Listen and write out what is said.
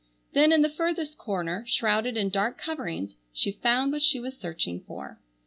Then, in the furthest corner, shrouded in dark coverings she found what she was searching for.